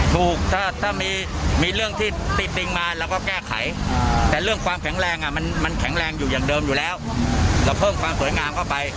ถูกถ้ามีเรื่องที่ติดติงมาเราก็แก้ไขแต่เรื่องความแข็งแรงมันแข็งแรงอยู่อย่างเดิมอยู่แล้วเราเพิ่มความสวยงามเข้าไป